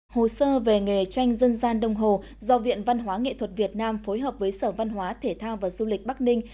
hồ sơ về nghề tranh dân gian đông hồ do viện văn hóa nghệ thuật việt nam phối hợp với sở văn hóa thể thao và du lịch bắc ninh